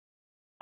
あ！